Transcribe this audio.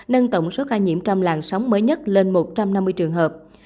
nâng tổng số ca nhiễm trong làn sóng mới nhất lên một trăm năm mươi trường hợp